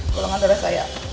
golongan darah saya